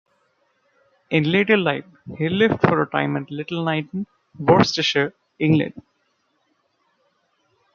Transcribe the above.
In later life he lived for a time at Little Knighton, Worcestershire, England.